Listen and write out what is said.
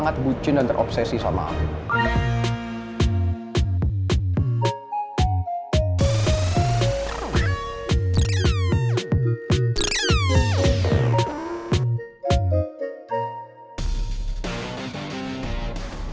terbucin dan terobsesi sama aku